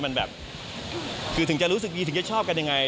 มันแบบคือถึงจะรู้สึกดีถึงจะชอบกันยังไง